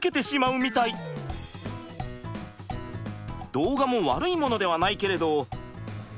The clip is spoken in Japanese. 動画も悪いものではないけれど。